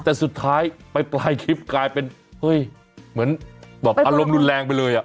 แต่สุดท้ายไปปลายคลิปกลายเป็นเฮ้ยเหมือนแบบอารมณ์รุนแรงไปเลยอ่ะ